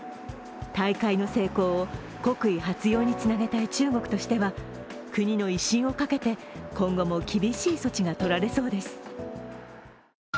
大会の成功を国威発揚につなげたい中国としては国の威信をかけて今後も厳しい措置がとられそうです。